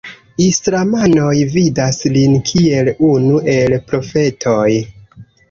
Islamanoj vidas lin kiel unu el profetoj.